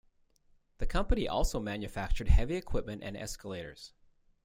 The company also manufactured heavy equipment and escalators.